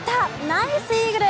ナイスイーグル。